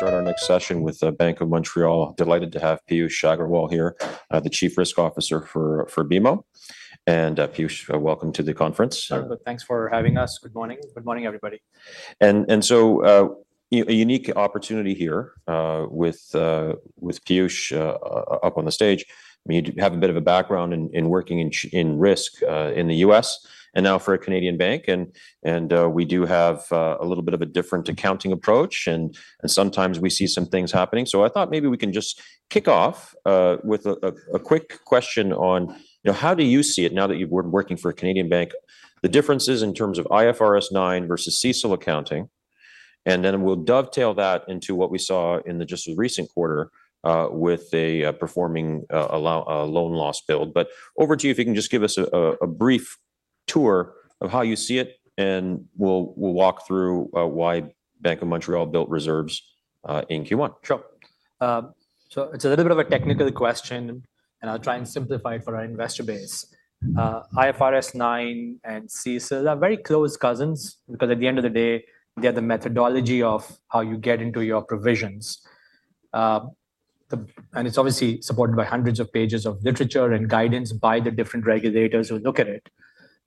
We're going to start our next session with Bank of Montreal. Delighted to have Piyush Agrawal here, the Chief Risk Officer for BMO. Piyush, welcome to the conference. Oh, good. Thanks for having us. Good morning. Good morning, everybody. So, you know, a unique opportunity here with Piyush up on the stage. I mean, you have a bit of a background in working in credit risk in the U.S., and now for a Canadian bank. We do have a little bit of a different accounting approach, and sometimes we see some things happening. So I thought maybe we can just kick off with a quick question on, you know, how do you see it now that you've been working for a Canadian bank, the differences in terms of IFRS 9 versus CECL accounting. And then we'll dovetail that into what we saw in the just recent quarter, with a performing allowance loan loss build. But over to you if you can just give us a brief tour of how you see it, and we'll walk through why Bank of Montreal built reserves in Q1. Sure. So it's a little bit of a technical question, and I'll try and simplify it for our investor base. IFRS 9 and CECL are very close cousins because at the end of the day, they are the methodology of how you get into your provisions. And it's obviously supported by hundreds of pages of literature and guidance by the different regulators who look at it.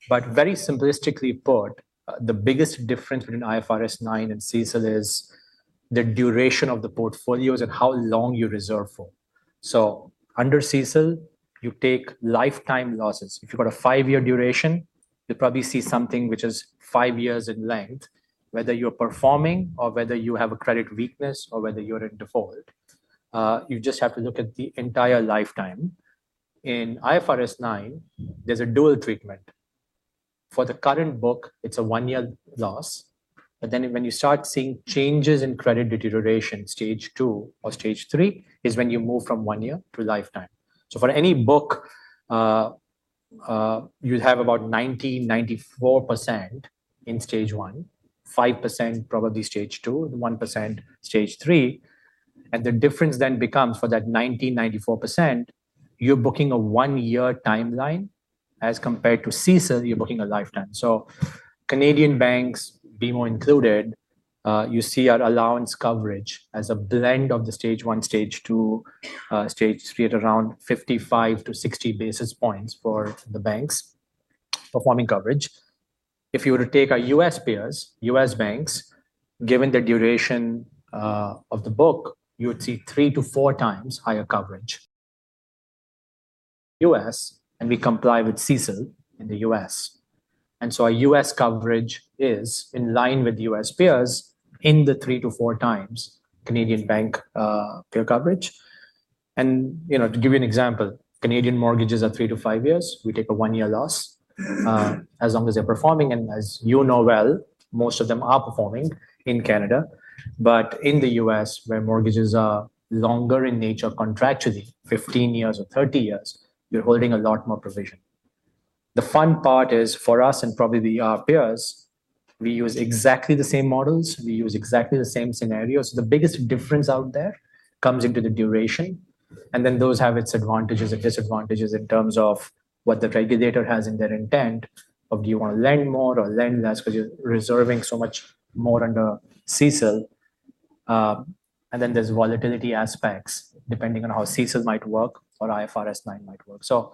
But very simplistically put, the biggest difference between IFRS 9 and CECL is the duration of the portfolios and how long you reserve for. So under CECL, you take lifetime losses. If you've got a 5-year duration, you'll probably see something which is 5 years in length, whether you're performing or whether you have a credit weakness or whether you're in default. You just have to look at the entire lifetime. In IFRS 9, there's a dual treatment. For the current book, it's a one-year loss. But then when you start seeing changes in credit deterioration, stage two or stage three, is when you move from one year to lifetime. So for any book, you'd have about 90%-94% in stage one, 5% probably stage two, 1% stage three. And the difference then becomes for that 90%-94%, you're booking a one-year timeline as compared to CECL, you're booking a lifetime. So Canadian banks, BMO included, you see our allowance coverage as a blend of the stage one, stage two, stage three at around 55-60 basis points for the banks performing coverage. If you were to take our U.S. peers, U.S. banks, given the duration, of the book, you would see three to four times higher coverage. U.S., and we comply with CECL in the U.S. And so our U.S. coverage is in line with U.S. Peers in the 3-4 times Canadian bank peer coverage. And, you know, to give you an example, Canadian mortgages are 3-5 years. We take a 1-year loss, as long as they're performing. And as you know well, most of them are performing in Canada. But in the U.S., where mortgages are longer in nature contractually, 15 years or 30 years, you're holding a lot more provision. The fun part is for us and probably our peers, we use exactly the same models. We use exactly the same scenarios. The biggest difference out there comes into the duration. And then those have its advantages and disadvantages in terms of what the regulator has in their intent of do you want to lend more or lend less because you're reserving so much more under CECL. And then there's volatility aspects depending on how CECL might work or IFRS 9 might work. So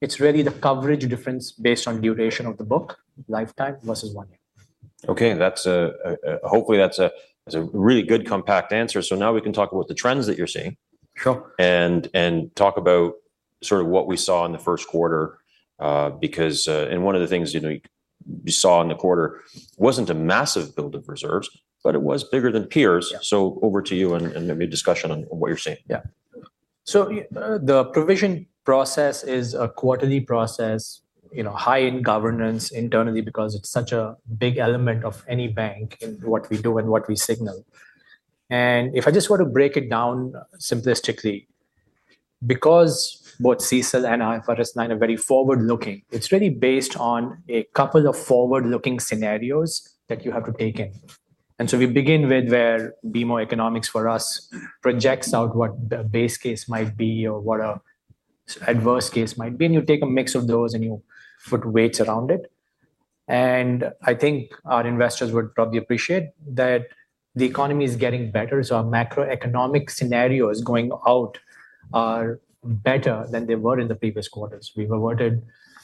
it's really the coverage difference based on duration of the book, lifetime versus one year. Okay. That's hopefully a really good compact answer. So now we can talk about the trends that you're seeing. Sure. Talk about sort of what we saw in the first quarter, because one of the things, you know, you saw in the quarter wasn't a massive build of reserves, but it was bigger than peers. So over to you and maybe a discussion on what you're seeing. Yeah. So the provision process is a quarterly process, you know, high in governance internally because it's such a big element of any bank in what we do and what we signal. And if I just want to break it down simplistically, because both CECL and IFRS 9 are very forward-looking, it's really based on a couple of forward-looking scenarios that you have to take in. And so we begin with where BMO Economics for us projects out what the base case might be or what an adverse case might be. And you take a mix of those and you put weights around it. And I think our investors would probably appreciate that the economy is getting better. So our macroeconomic scenarios going out are better than they were in the previous quarters.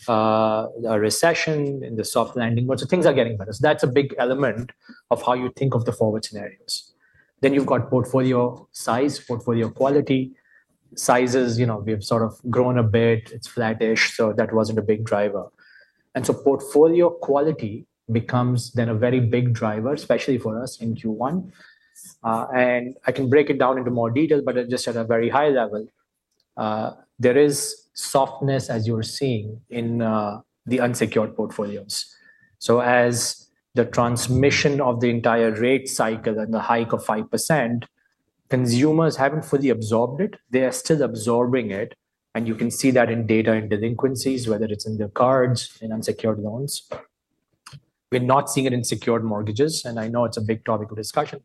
We've averted a recession in the soft landing mode. So things are getting better. So that's a big element of how you think of the forward scenarios. Then you've got portfolio size, portfolio quality sizes. You know, we've sort of grown a bit. It's flattish. So that wasn't a big driver. And so portfolio quality becomes then a very big driver, especially for us in Q1. And I can break it down into more detail, but just at a very high level, there is softness, as you're seeing, in the unsecured portfolios. So as the transmission of the entire rate cycle and the hike of 5%, consumers haven't fully absorbed it. They are still absorbing it. And you can see that in data and delinquencies, whether it's in their cards, in unsecured loans. We're not seeing it in secured mortgages. And I know it's a big topic of discussion.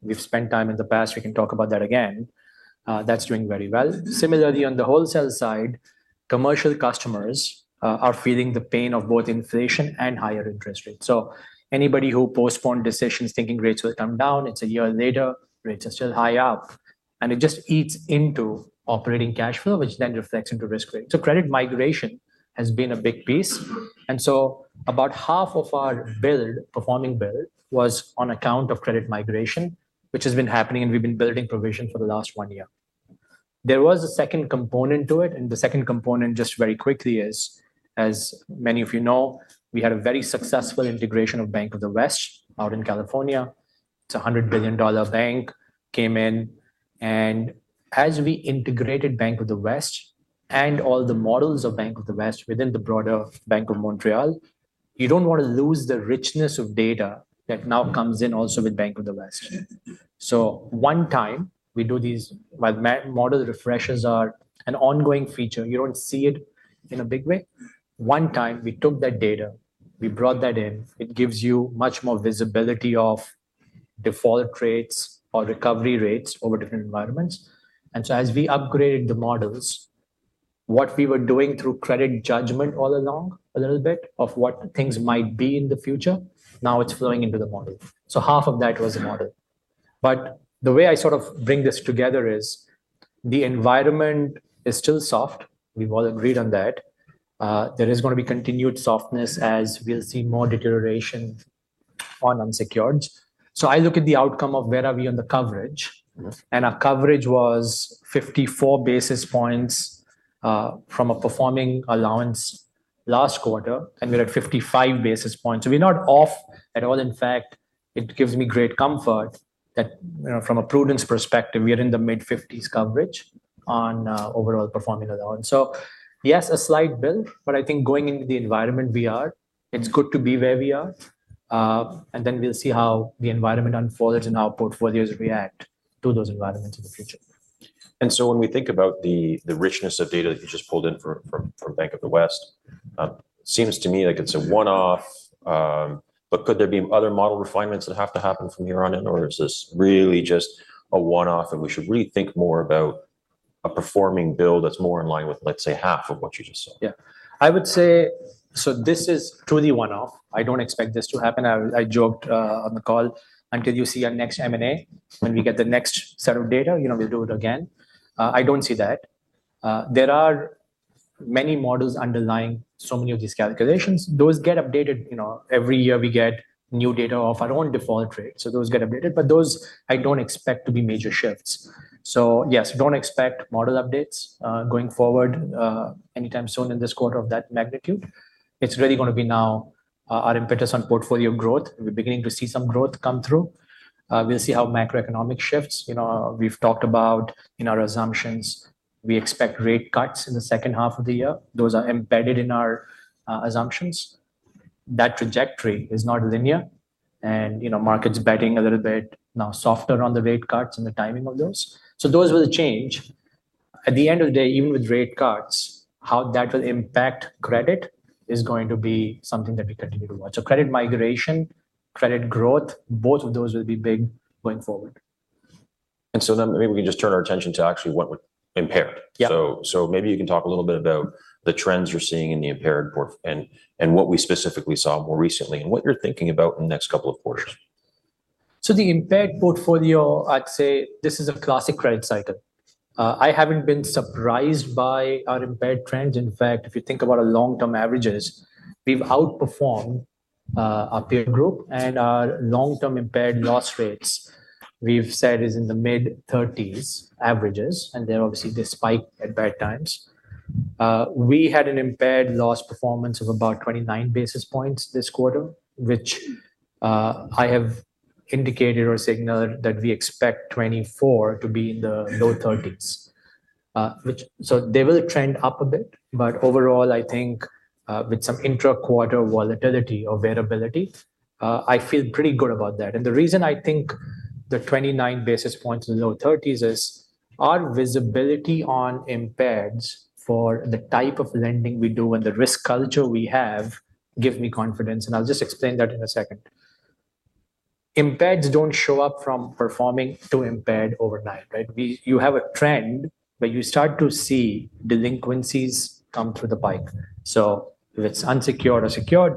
We've spent time in the past. We can talk about that again. That's doing very well. Similarly, on the wholesale side, commercial customers are feeling the pain of both inflation and higher interest rates. So anybody who postponed decisions thinking rates will come down, it's a year later, rates are still high up. And it just eats into operating cash flow, which then reflects into risk rate. So credit migration has been a big piece. And so about half of our build, performing build, was on account of credit migration, which has been happening, and we've been building provision for the last one year. There was a second component to it. And the second component, just very quickly, is, as many of you know, we had a very successful integration of Bank of the West out in California. It's a $100 billion bank. Came in. As we integrated Bank of the West and all the models of Bank of the West within the broader Bank of Montreal, you don't want to lose the richness of data that now comes in also with Bank of the West. So, one time, we do these while model refreshes are an ongoing feature, you don't see it in a big way. One time, we took that data. We brought that in. It gives you much more visibility of default rates or recovery rates over different environments. And so, as we upgraded the models, what we were doing through credit judgment all along, a little bit of what things might be in the future, now it's flowing into the model. So half of that was the model. But the way I sort of bring this together is the environment is still soft. We've all agreed on that. There is going to be continued softness as we'll see more deterioration on unsecureds. So I look at the outcome of where are we on the coverage. And our coverage was 54 basis points, from a performing allowance last quarter. And we're at 55 basis points. So we're not off at all. In fact, it gives me great comfort that, you know, from a prudence perspective, we are in the mid-50s coverage on, overall performing allowance. So yes, a slight build, but I think going into the environment we are, it's good to be where we are. And then we'll see how the environment unfolds and how portfolios react to those environments in the future. When we think about the richness of data that you just pulled in from Bank of the West, it seems to me like it's a one-off, but could there be other model refinements that have to happen from here on in, or is this really just a one-off and we should really think more about a performing build that's more in line with, let's say, half of what you just saw? Yeah. I would say, so this is truly one-off. I don't expect this to happen. I joked on the call, until you see our next M&A, when we get the next set of data, you know, we'll do it again. I don't see that. There are many models underlying so many of these calculations. Those get updated, you know, every year we get new data of our own default rate. So those get updated. But those I don't expect to be major shifts. So yes, don't expect model updates, going forward, anytime soon in this quarter of that magnitude. It's really going to be now our impetus on portfolio growth. We're beginning to see some growth come through. We'll see how macroeconomic shifts, you know, we've talked about in our assumptions, we expect rate cuts in the second half of the year. Those are embedded in our assumptions. That trajectory is not linear. And, you know, market's betting a little bit now softer on the rate cuts and the timing of those. So those will change. At the end of the day, even with rate cuts, how that will impact credit is going to be something that we continue to watch. So credit migration, credit growth, both of those will be big going forward. And so then, maybe we can just turn our attention to actually what would impaired. Yeah. So, maybe you can talk a little bit about the trends you're seeing in the impaired port and what we specifically saw more recently and what you're thinking about in the next couple of quarters. So the impaired portfolio, I'd say this is a classic credit cycle. I haven't been surprised by our impaired trends. In fact, if you think about our long-term averages, we've outperformed, our peer group. And our long-term impaired loss rates, we've said, is in the mid-30s averages. And there obviously they spike at bad times. We had an impaired loss performance of about 29 basis points this quarter, which, I have indicated or signaled that we expect 2024 to be in the low 30s, which so they will trend up a bit. But overall, I think, with some intra-quarter volatility or variability, I feel pretty good about that. And the reason I think the 29 basis points in the low 30s is our visibility on impaireds for the type of lending we do and the risk culture we have gives me confidence. And I'll just explain that in a second. Impaireds don't show up from performing to impaired overnight, right? You have a trend where you start to see delinquencies come through the pike. So if it's unsecured or secured,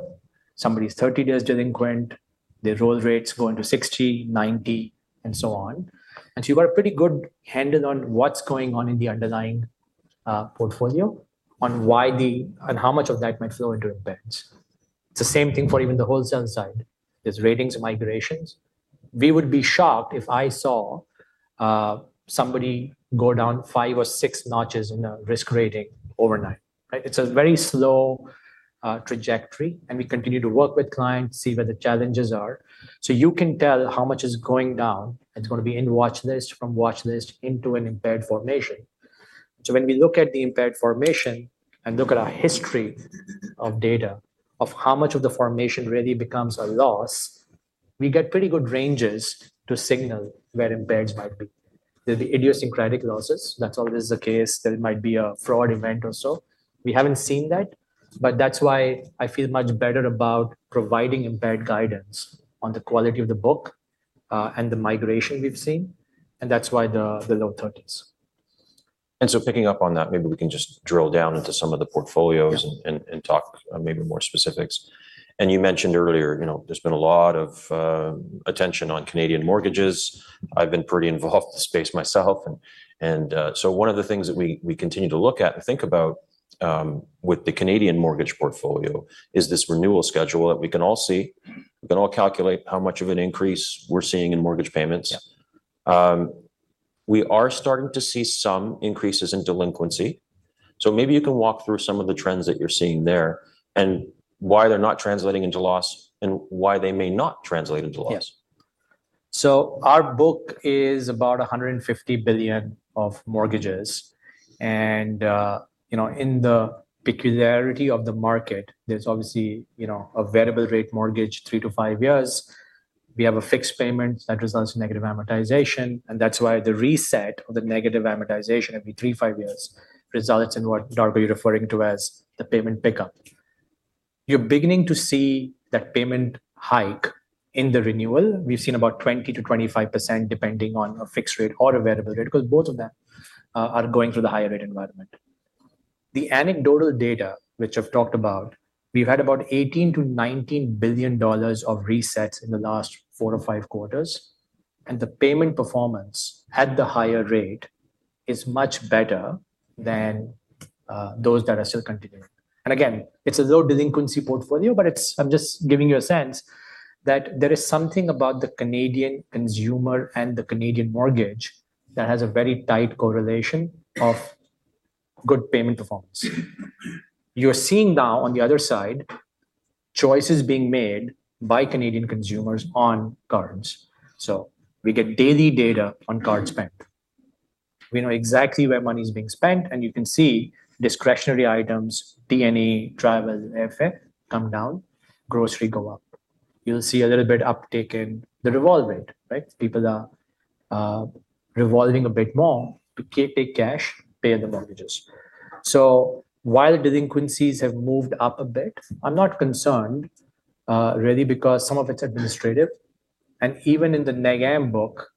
somebody's 30 days delinquent, their roll rates go into 60, 90, and so on. And so you've got a pretty good handle on what's going on in the underlying portfolio, on why then on how much of that might flow into impaireds. It's the same thing for even the wholesale side. There's ratings migrations. We would be shocked if I saw somebody go down 5 or 6 notches in a risk rating overnight, right? It's a very slow trajectory. And we continue to work with clients, see where the challenges are. So you can tell how much is going down. It's going to be in watchlist from watchlist into an impaired formation. So when we look at the impaired formation and look at our history of data of how much of the formation really becomes a loss, we get pretty good ranges to signal where impaireds might be. There'll be idiosyncratic losses. That's always the case. There might be a fraud event or so. We haven't seen that. But that's why I feel much better about providing impaired guidance on the quality of the book, and the migration we've seen. And that's why the, the low 30s. And so picking up on that, maybe we can just drill down into some of the portfolios and talk maybe more specifics. And you mentioned earlier, you know, there's been a lot of attention on Canadian mortgages. I've been pretty involved in the space myself. And so one of the things that we continue to look at and think about with the Canadian mortgage portfolio is this renewal schedule that we can all see. We can all calculate how much of an increase we're seeing in mortgage payments. Yeah. We are starting to see some increases in delinquency. So maybe you can walk through some of the trends that you're seeing there and why they're not translating into loss and why they may not translate into loss. Yes. So our book is about 150 billion of mortgages. And, you know, in the peculiarity of the market, there's obviously, you know, a variable rate mortgage, 3-5 years. We have a fixed payment that results in negative amortization. And that's why the reset of the negative amortization every 3-5 years results in what Darko, you're referring to as the payment pickup. You're beginning to see that payment hike in the renewal. We've seen about 20%-25% depending on a fixed rate or a variable rate because both of them are going through the higher rate environment. The anecdotal data, which I've talked about, we've had about 18 billion-19 billion dollars of resets in the last 4 or 5 quarters. And the payment performance at the higher rate is much better than those that are still continuing. And again, it's a low delinquency portfolio, but it's I'm just giving you a sense that there is something about the Canadian consumer and the Canadian mortgage that has a very tight correlation of good payment performance. You're seeing now on the other side choices being made by Canadian consumers on cards. So we get daily data on card spend. We know exactly where money's being spent. And you can see discretionary items, D&E, travel, AFF come down, grocery go up. You'll see a little bit uptake in the revolve rate, right? People are revolving a bit more to take cash, pay the mortgages. So while delinquencies have moved up a bit, I'm not concerned, really because some of it's administrative. And even in the NegAm book,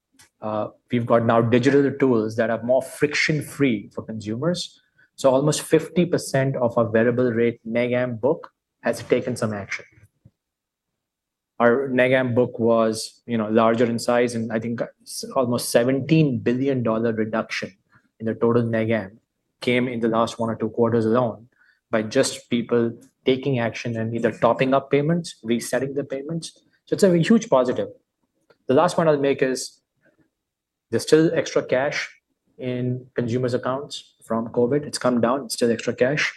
we've got now digital tools that are more friction-free for consumers. So almost 50% of our variable rate NegAm book has taken some action. Our NegAm book was, you know, larger in size. And I think almost $17 billion reduction in the total NegAm came in the last one or two quarters alone by just people taking action and either topping up payments, resetting the payments. So it's a huge positive. The last one I'll make is there's still extra cash in consumers' accounts from COVID. It's come down. It's still extra cash.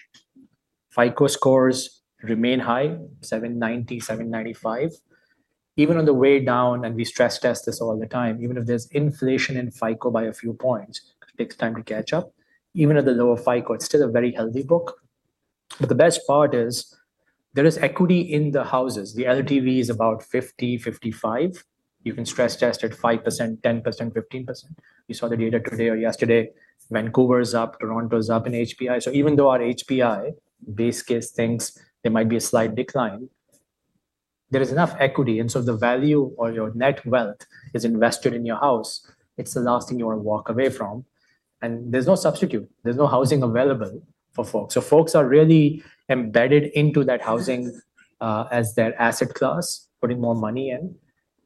FICO scores remain high, 790, 795. Even on the way down, and we stress test this all the time, even if there's inflation in FICO by a few points, it takes time to catch up. Even at the lower FICO, it's still a very healthy book. But the best part is there is equity in the houses. The LTV is about 50-55. You can stress test at 5%, 10%, 15%. You saw the data today or yesterday. Vancouver's up. Toronto's up in HPI. So even though our HPI base case thinks there might be a slight decline, there is enough equity. And so the value or your net wealth is invested in your house. It's the last thing you want to walk away from. And there's no substitute. There's no housing available for folks. So folks are really embedded into that housing, as their asset class, putting more money in.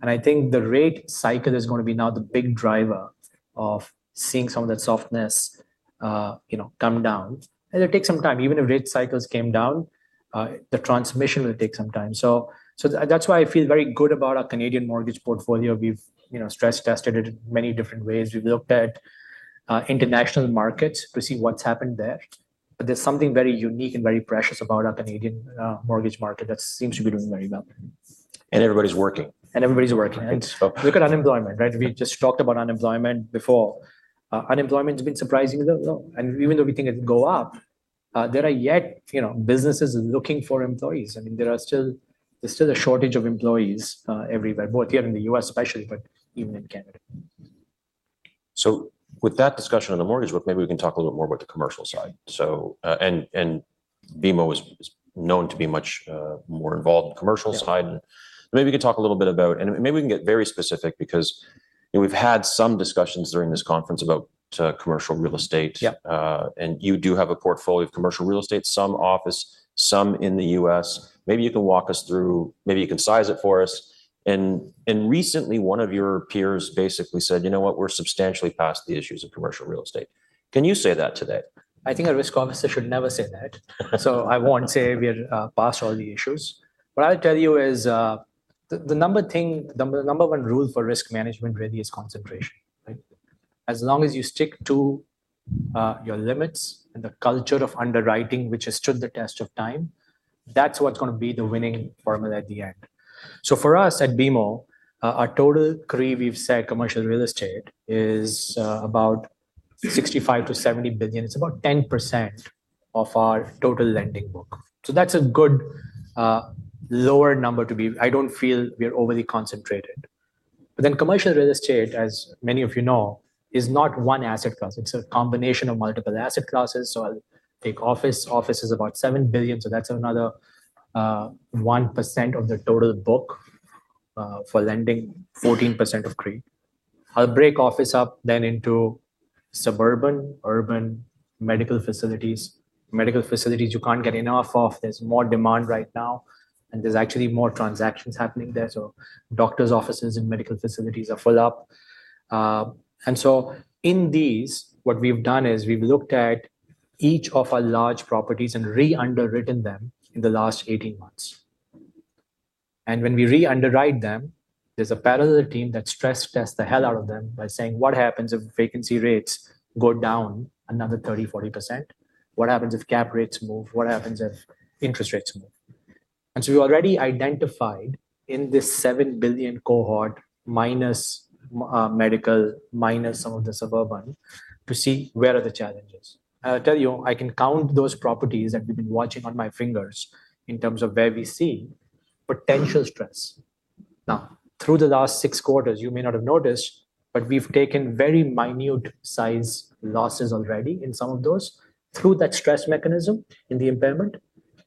And I think the rate cycle is going to be now the big driver of seeing some of that softness, you know, come down. And it'll take some time. Even if rate cycles came down, the transmission will take some time. So, so that's why I feel very good about our Canadian mortgage portfolio. We've, you know, stress tested it in many different ways. We've looked at international markets to see what's happened there. But there's something very unique and very precious about our Canadian mortgage market that seems to be doing very well. Everybody's working. Everybody's working. I think so. Look at unemployment, right? We just talked about unemployment before. Unemployment's been surprisingly low. Even though we think it'll go up, there are yet, you know, businesses looking for employees. I mean, there is still a shortage of employees, everywhere, both here in the U.S. especially, but even in Canada. So with that discussion on the mortgage book, maybe we can talk a little bit more about the commercial side. So, BMO is known to be much more involved in the commercial side. And maybe we can get very specific because, you know, we've had some discussions during this conference about commercial real estate. Yeah. and you do have a portfolio of commercial real estate, some office, some in the U.S. Maybe you can walk us through maybe you can size it for us. And recently, one of your peers basically said, you know what, we're substantially past the issues of commercial real estate. Can you say that today? I think a risk officer should never say that. So I won't say we're past all the issues. What I'll tell you is, the number thing the number one rule for risk management really is concentration, right? As long as you stick to your limits and the culture of underwriting, which has stood the test of time, that's what's going to be the winning formula at the end. So for us at BMO, our total CRE we've said commercial real estate is about 65 billion-70 billion. It's about 10% of our total lending book. So that's a good lower number to be. I don't feel we are overly concentrated. But then commercial real estate, as many of you know, is not one asset class. It's a combination of multiple asset classes. So I'll take office. Office is about 7 billion. So that's another 1% of the total book for lending, 14% of CRE. I'll break office up then into suburban, urban, medical facilities. Medical facilities you can't get enough of. There's more demand right now. And there's actually more transactions happening there. So doctors' offices and medical facilities are full up. And so in these, what we've done is we've looked at each of our large properties and re-underwritten them in the last 18 months. And when we re-underwrite them, there's a parallel team that stress tests the hell out of them by saying, what happens if vacancy rates go down another 30%-40%? What happens if cap rates move? What happens if interest rates move? And so we've already identified in this 7 billion cohort minus, medical minus some of the suburban to see where are the challenges. I'll tell you, I can count those properties that we've been watching on my fingers in terms of where we see potential stress. Now, through the last six quarters, you may not have noticed, but we've taken very minute size losses already in some of those through that stress mechanism in the impairment.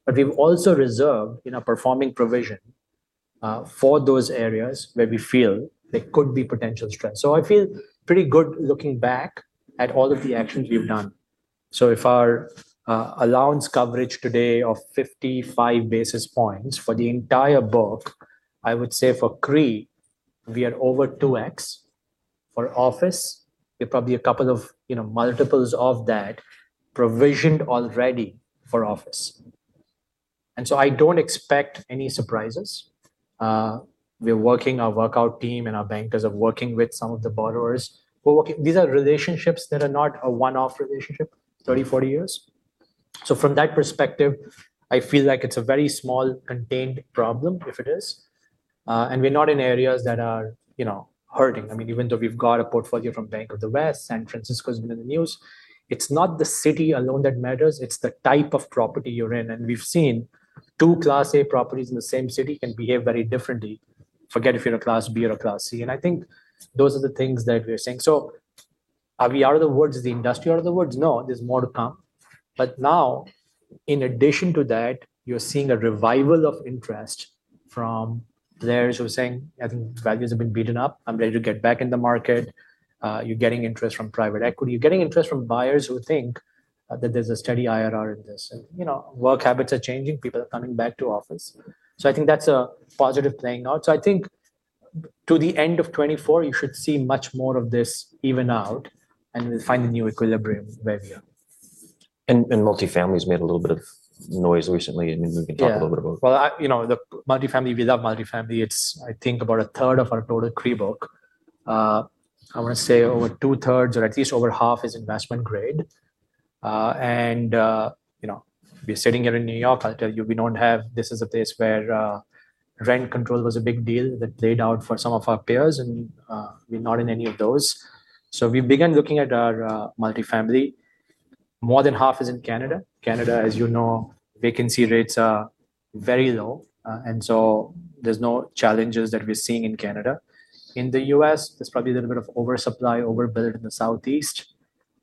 But we've also reserved in our performing provision, for those areas where we feel there could be potential stress. So I feel pretty good looking back at all of the actions we've done. So if our allowance coverage today of 55 basis points for the entire book, I would say for CRE, we are over 2x. For office, there are probably a couple of, you know, multiples of that provisioned already for office. And so I don't expect any surprises. We're working our workout team and our bankers are working with some of the borrowers. We're working. These are relationships that are not a one-off relationship, 30, 40 years. So from that perspective, I feel like it's a very small contained problem if it is. And we're not in areas that are, you know, hurting. I mean, even though we've got a portfolio from Bank of the West, San Francisco has been in the news, it's not the city alone that matters. It's the type of property you're in. And we've seen two Class A properties in the same city can behave very differently. Forget if you're a Class B or a Class C. And I think those are the things that we're saying. So are we out of the woods? Is the industry out of the woods? No, there's more to come. But now, in addition to that, you're seeing a revival of interest from players who are saying, I think values have been beaten up. I'm ready to get back in the market. You're getting interest from private equity. You're getting interest from buyers who think that there's a steady IRR in this. And, you know, work habits are changing. People are coming back to office. So I think that's a positive playing out. So I think to the end of 2024, you should see much more of this even out. And we'll find a new equilibrium where we are. Multifamily has made a little bit of noise recently. I mean, we can talk a little bit about it. Yeah. Well, I, you know, the multifamily we love multifamily. It's, I think, about a third of our total CRE book. I want to say over 2/3 or at least over half is investment grade. You know, we're sitting here in New York. I'll tell you, we don't have this is a place where rent control was a big deal that played out for some of our peers. We're not in any of those. So we began looking at our multifamily. More than half is in Canada. Canada, as you know, vacancy rates are very low. So there's no challenges that we're seeing in Canada. In the U.S., there's probably a little bit of oversupply, overbuild in the Southeast.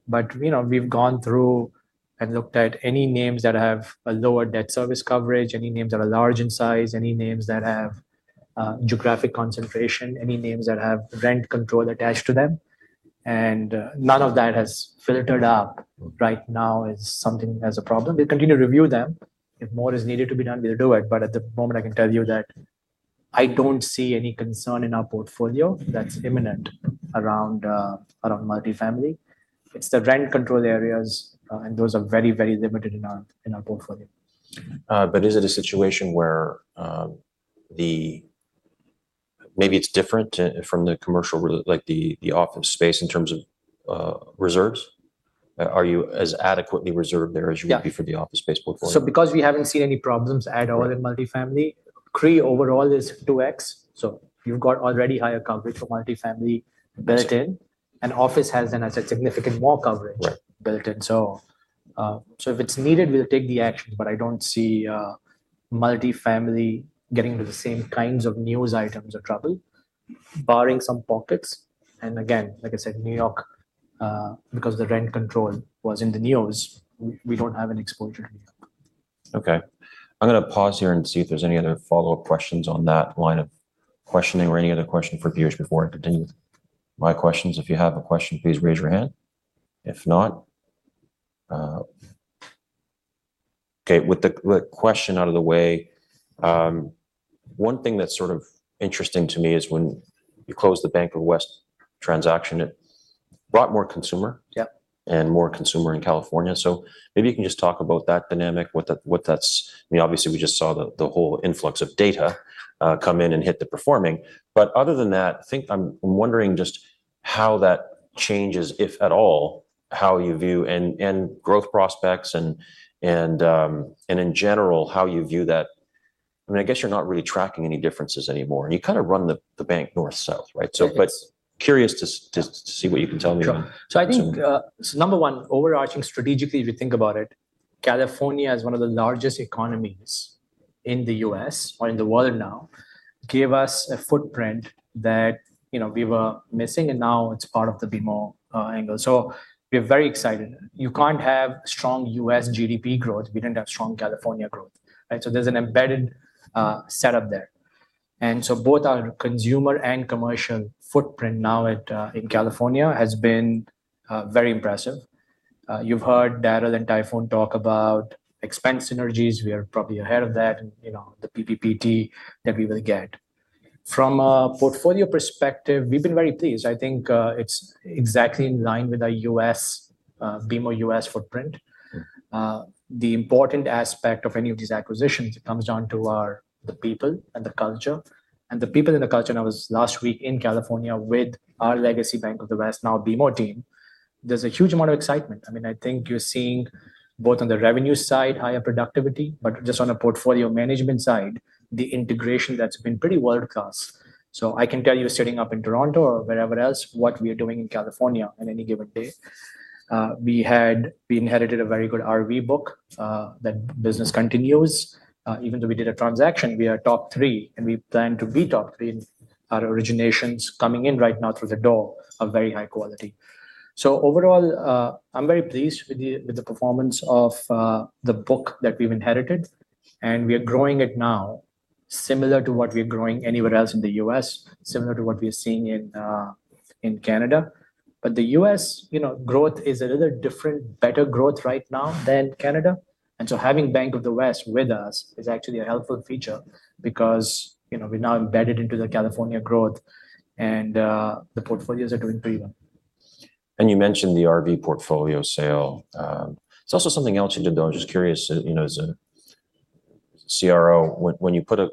But, you know, we've gone through and looked at any names that have a lower debt service coverage, any names that are large in size, any names that have geographic concentration, any names that have rent control attached to them. None of that has filtered up right now as something as a problem. We'll continue to review them. If more is needed to be done, we'll do it. But at the moment, I can tell you that I don't see any concern in our portfolio that's imminent around multifamily. It's the rent control areas. Those are very, very limited in our portfolio. Is it a situation where, the maybe it's different from the commercial, like the office space in terms of reserves? Are you as adequately reserved there as you would be for the office space portfolio? So because we haven't seen any problems at all in multifamily, CRI overall is 2x. So you've got already higher coverage for multifamily built in. And office has, as I said, significant more coverage built in. So, so if it's needed, we'll take the actions. But I don't see, multifamily getting into the same kinds of news items or trouble, barring some pockets. And again, like I said, New York, because the rent control was in the news, we, we don't have an exposure to New York. Okay. I'm going to pause here and see if there's any other follow-up questions on that line of questioning or any other question for viewers before I continue with my questions. If you have a question, please raise your hand. If not, okay, with the question out of the way, one thing that's sort of interesting to me is when you closed the Bank of the West transaction, it brought more consumer. Yep. More consumer in California. So maybe you can just talk about that dynamic, what that that's. I mean, obviously, we just saw the whole influx of data come in and hit the performing. But other than that, I think I'm wondering just how that changes, if at all, how you view and growth prospects and in general, how you view that. I mean, I guess you're not really tracking any differences anymore. And you kind of run the bank north-south, right? Yes. So, but curious to see what you can tell me on that. Sure. So I think, so number one, overarching strategically, if you think about it, California is one of the largest economies in the U.S. or in the world now, gave us a footprint that, you know, we were missing. And now it's part of the BMO, angle. So we're very excited. You can't have strong U.S. GDP growth. We didn't have strong California growth, right? So there's an embedded, setup there. And so both our consumer and commercial footprint now at, in California has been, very impressive. You've heard Darryl and Tayfun talk about expense synergies. We are probably ahead of that and, you know, the PPPT that we will get. From a portfolio perspective, we've been very pleased. I think, it's exactly in line with our U.S., BMO U.S. footprint. The important aspect of any of these acquisitions, it comes down to our the people and the culture. The people in the culture and I was last week in California with our legacy Bank of the West, now BMO team. There's a huge amount of excitement. I mean, I think you're seeing both on the revenue side, higher productivity, but just on a portfolio management side, the integration that's been pretty world-class. So I can tell you sitting up in Toronto or wherever else, what we are doing in California on any given day. We inherited a very good RV book. That business continues. Even though we did a transaction, we are top three. And we plan to be top three in our originations coming in right now through the door of very high quality. So overall, I'm very pleased with the performance of the book that we've inherited. We are growing it now similar to what we are growing anywhere else in the U.S., similar to what we are seeing in Canada. But the U.S., you know, growth is a little different, better growth right now than Canada. So having Bank of the West with us is actually a helpful feature because, you know, we're now embedded into the California growth. The portfolios are doing pretty well. You mentioned the RV portfolio sale. It's also something else you did though. I'm just curious, you know, as a CRO, when you put the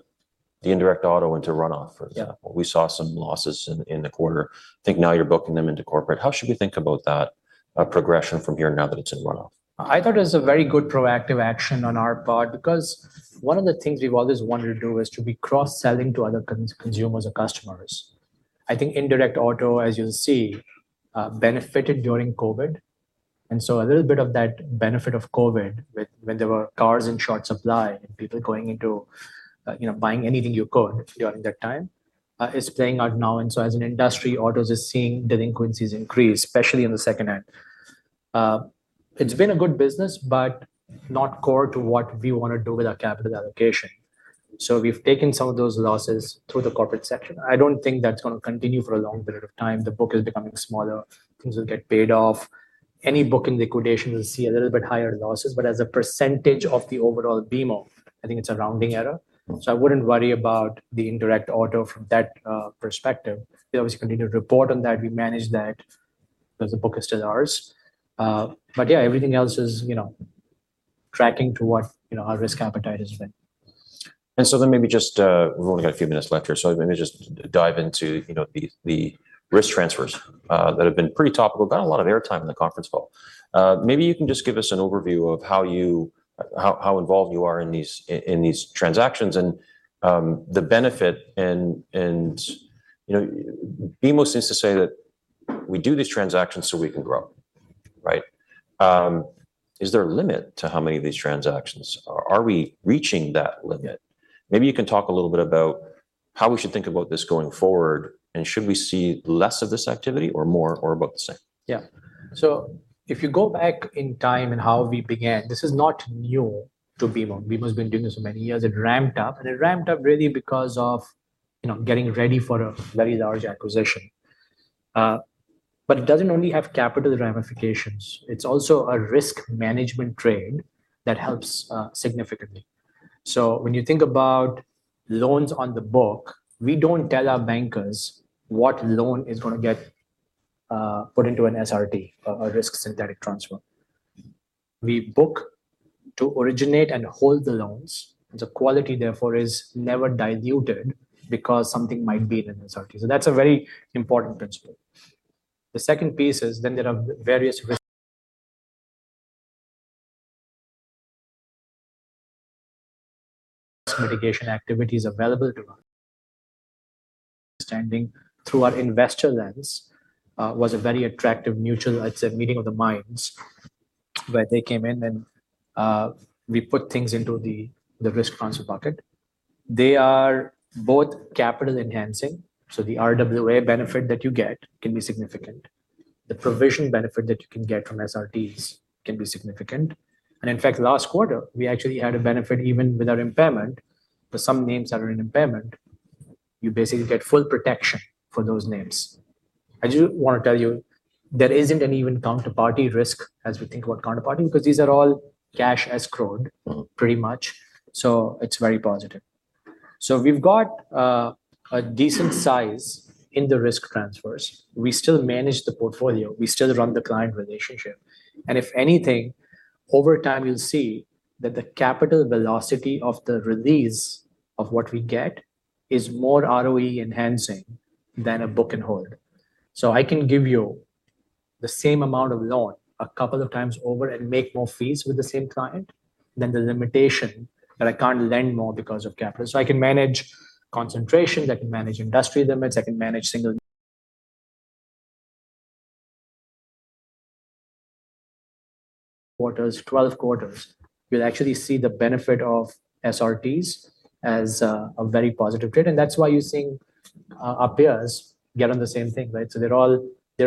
indirect auto into runoff, for example, we saw some losses in the quarter. I think now you're booking them into corporate. How should we think about that progression from here now that it's in runoff? I thought it was a very good proactive action on our part because one of the things we've always wanted to do is to be cross-selling to other consumers or customers. I think indirect auto, as you'll see, benefited during COVID. And so a little bit of that benefit of COVID with when there were cars in short supply and people going into, you know, buying anything you could during that time, is playing out now. And so as an industry, autos is seeing delinquencies increase, especially on the second-hand. It's been a good business, but not core to what we want to do with our capital allocation. So we've taken some of those losses through the corporate section. I don't think that's going to continue for a long period of time. The book is becoming smaller. Things will get paid off. Any book in liquidation will see a little bit higher losses. But as a percentage of the overall BMO, I think it's a rounding error. So I wouldn't worry about the indirect auto from that perspective. We obviously continue to report on that. We manage that because the book is still ours, but yeah, everything else is, you know, tracking to what, you know, our risk appetite has been. So then maybe just, we've only got a few minutes left here. So maybe just dive into, you know, the risk transfers that have been pretty topical, got a lot of airtime in the conference call. Maybe you can just give us an overview of how you are involved in these transactions and the benefit, and, you know, BMO seems to say that we do these transactions so we can grow, right? Is there a limit to how many of these transactions are? Are we reaching that limit? Maybe you can talk a little bit about how we should think about this going forward. Should we see less of this activity or more or about the same? Yeah. So if you go back in time and how we began, this is not new to BMO. BMO has been doing this for many years. It ramped up. And it ramped up really because of, you know, getting ready for a very large acquisition. But it doesn't only have capital ramifications. It's also a risk management trade that helps, significantly. So when you think about loans on the book, we don't tell our bankers what loan is going to get, put into an SRT, a significant risk transfer. We book to originate and hold the loans. And the quality, therefore, is never diluted because something might be in an SRT. So that's a very important principle. The second piece is then there are various risk mitigation activities available to us. Standing through our investor lens, was a very attractive mutual, I'd say, meeting of the minds where they came in and we put things into the risk transfer bucket. They are both capital enhancing. So the RWA benefit that you get can be significant. The provision benefit that you can get from SRTs can be significant. And in fact, last quarter, we actually had a benefit even without impairment. For some names that are in impairment, you basically get full protection for those names. I just want to tell you, there isn't any even counterparty risk as we think about counterparty because these are all cash escrowed pretty much. So it's very positive. So we've got a decent size in the risk transfers. We still manage the portfolio. We still run the client relationship. And if anything, over time, you'll see that the capital velocity of the release of what we get is more ROE enhancing than a book and hold. So I can give you the same amount of loan a couple of times over and make more fees with the same client than the limitation that I can't lend more because of capital. So I can manage concentrations. I can manage industry limits. I can manage single quarters, 12 quarters. You'll actually see the benefit of SRTs as a very positive trade. And that's why you're seeing our peers get on the same thing, right? So they're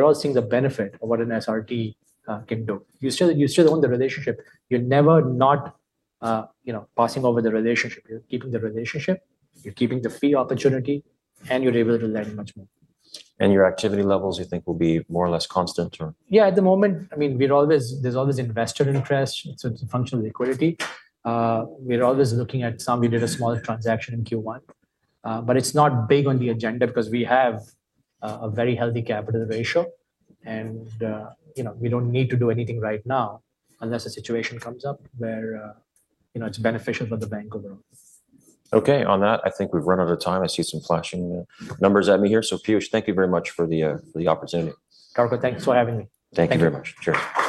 all seeing the benefit of what an SRT can do. You still own the relationship. You're never not, you know, passing over the relationship. You're keeping the relationship. You're keeping the fee opportunity. And you're able to lend much more. Your activity levels, you think, will be more or less constant or? Yeah. At the moment, I mean, there's always investor interest. It's a function of liquidity. We're always looking at some. We did a small transaction in Q1, but it's not big on the agenda because we have a very healthy capital ratio. And, you know, we don't need to do anything right now unless a situation comes up where, you know, it's beneficial for the bank overall. Okay. On that, I think we've run out of time. I see some flashing numbers at me here. So Piyush, thank you very much for the, for the opportunity. Darko, thanks for having me. Thank you very much. Cheers.